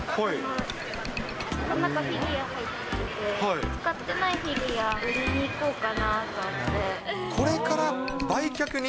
この中フィギュア入ってて、使ってないフィギュアを売りに行これから売却に？